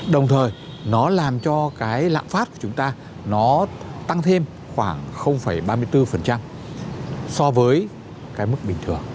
đồng thời nó làm cho cái lạm phát của chúng ta nó tăng thêm khoảng ba mươi bốn so với cái mức bình thường